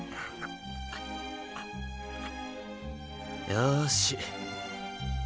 よし。